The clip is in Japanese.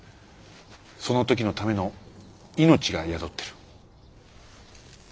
その時のための命が宿ってる。